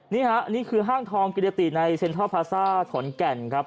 นี่ฮะอันนี้คือห้างทองกิรติในเซ็นทรัลพาซ่าขอนแก่นครับ